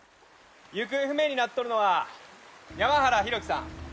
行方不明になっとるのは山原浩喜さん３７歳。